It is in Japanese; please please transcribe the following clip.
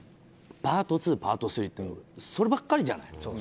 パート２、パート３ってそればっかりじゃない。